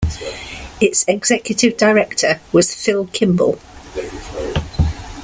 Its Executive Director was Phil Kimball.